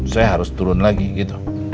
saya harus turun lagi gitu